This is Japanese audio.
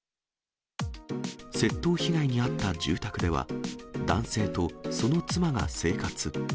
窃盗被害に遭った住宅では、男性とその妻が生活。